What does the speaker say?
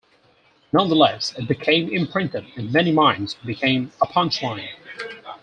Nonetheless, it became imprinted in many minds and became a punch line.